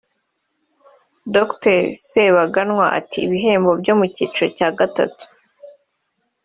Dr Sebaganwa ati “Ibihembo byo mu cyiciro cya gatatu